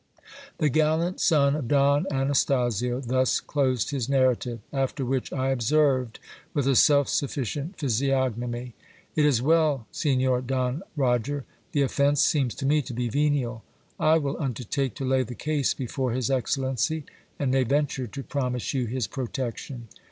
The gallant son of Don Anastasio thus closed his narrative ; after which I observed, with a self sufficient physiognomy: It is well, Signor Don Roger; the offence seems to me to be venial. I will undertake to lay the case before his excellency, and may venture to promise you his protection.